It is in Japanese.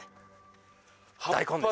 大根です。